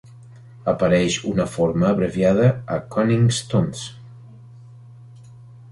Apareix una forma abreviada a "Cunning Stunts".